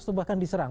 atau bahkan diserah